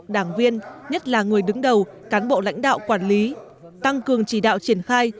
đảng viên nhất là người đứng đầu cán bộ lãnh đạo quản lý tăng cường chỉ đạo triển khai